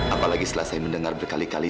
apalagi setelah saya mendengar berkali kali